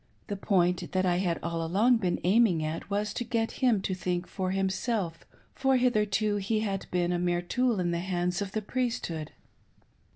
The point that I had all along been aiming at was to get him to think for himself, for hitherto he had been a mere tool in the hands of the Priesthood.